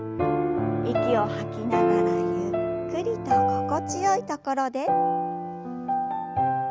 息を吐きながらゆっくりと心地よい所で。